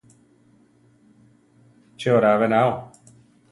¿Chi oraa beráo?